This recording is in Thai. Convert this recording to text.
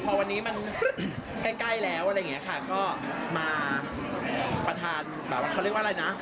พอวันนี้มันไกลแล้วก็มาประทานคำเขาเรียกว่าอะไรนะ